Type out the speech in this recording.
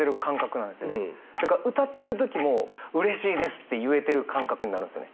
だから歌ってる時もうれしいですって言えてる感覚になるんですよね。